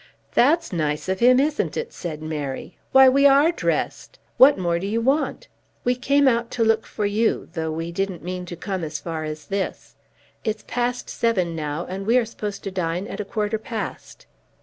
"That's nice of him; isn't it?" said Mary. "Why, we are dressed. What more do you want? We came out to look for you, though we didn't mean to come as far as this. It's past seven now, and we are supposed to dine at a quarter past."